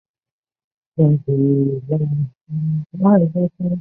曾任秘书省钩考算经文字臣。